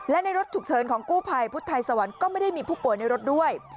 และในรถฉุกเฉินของกู้ภัยพุทธไทยสวรรค์ก็ไม่ได้มีผู้ป่วยในรถด้วย